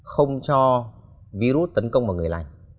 không cho virus tấn công vào người lành